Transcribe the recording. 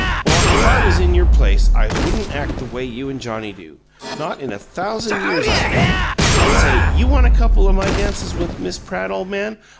Well, if I was in YOUR place I wouldn't act the way you and Johnnie do not in a thousand years I wouldn't! I'd say, 'You want a couple o' my dances with Miss Pratt, ole man?